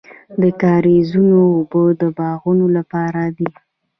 د کاریزونو اوبه د باغونو لپاره دي.